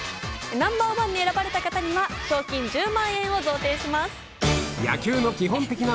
Ｎｏ．１に選ばれた方には賞金１０万円を贈呈します。